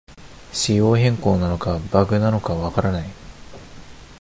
仕様変更なのかバグなのかわからない